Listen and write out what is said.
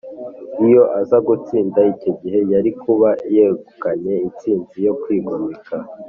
. Iyo aza gutsinda icyo gihe, yari kuba yegukanye intsinzi yo kwigomeka